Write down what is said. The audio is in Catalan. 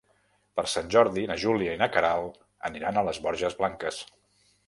Per Sant Jordi na Júlia i na Queralt aniran a les Borges Blanques.